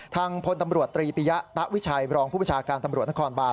พลตำรวจตรีปิยะตะวิชัยรองผู้ประชาการตำรวจนครบาน